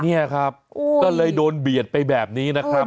เนี่ยครับก็เลยโดนเบียดไปแบบนี้นะครับ